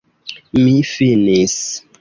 Mi finis.